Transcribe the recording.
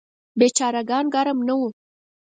بیچاره ګان ګرم نه وو.